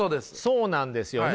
そうなんですよね。